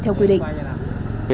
theo quy định